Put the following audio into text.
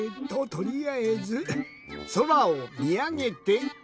とりあえずそらをみあげて。